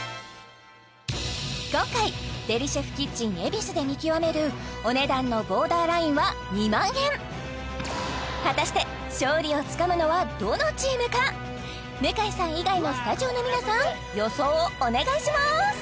今回ＤｅｒｉＣｈｅｆＫｉｔｃｈｅｎＥｂｉｓｕで見極めるお値段のボーダーラインは２万円果たして勝利をつかむのはどのチームか向井さん以外のスタジオの皆さん予想をお願いします！